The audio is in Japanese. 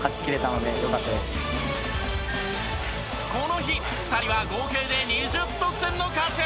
この日２人は合計で２０得点の活躍。